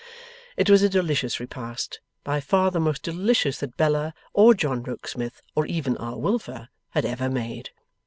It was a delicious repast; by far the most delicious that Bella, or John Rokesmith, or even R. Wilfer had ever made.